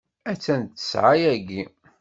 Attan d ttessɛa yagi.